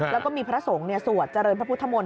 แล้วก็มีพระสงฆ์สวดเจริญพระพุทธมนต